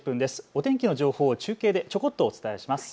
お天気の情報を中継でちょこっとお伝えします。